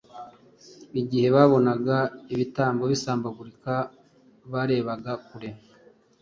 Igihe babonaga ibitambo bisambagurika barebaga kure